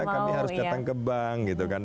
kami harus datang ke bank